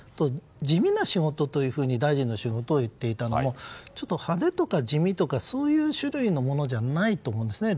地味な仕事と大臣の仕事を言っていたのもちょっと派手とか地味とかそういう種類ものじゃないと思うんですよね。